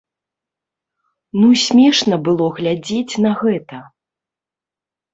Ну смешна было глядзець на гэта.